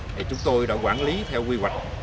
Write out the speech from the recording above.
thì chúng tôi đã quản lý theo quy hoạch